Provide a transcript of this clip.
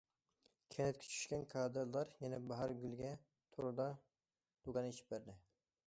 كەنتكە چۈشكەن كادىرلار يەنە باھارگۈلگە توردا دۇكان ئېچىپ بەردى.